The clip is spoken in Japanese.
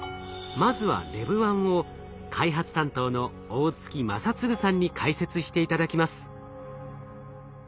まずはＬＥＶ−１を開発担当の大槻真嗣さんに解説して頂きます。